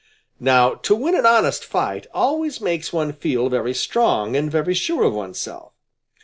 Now to win an honest fight always makes one feel very strong and very sure of oneself.